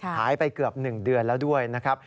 หายไปเกือบ๑เดือนแล้วด้วยนะครับ